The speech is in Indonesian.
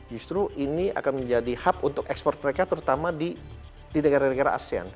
justru ini akan menjadi hub untuk ekspor mereka terutama di negara negara asean